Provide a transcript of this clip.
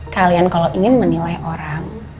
kalian kalau ingin menilai orang